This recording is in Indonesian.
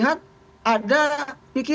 dan itu juga adalah hal yang harus kita lakukan